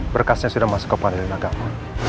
berkasnya sudah masuk ke padel nagamu